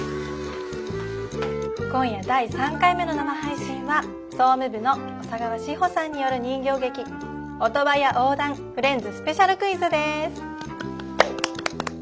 今夜第３回目の生配信は総務部の小佐川志穂さんによる人形劇オトワヤ横断フレンズスペシャルクイズです。